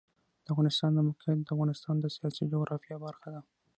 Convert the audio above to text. د افغانستان د موقعیت د افغانستان د سیاسي جغرافیه برخه ده.